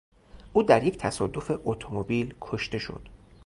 او در یک تصادف اتومبیل کشته شد.